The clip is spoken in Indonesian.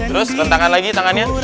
terus rentangkan lagi tangannya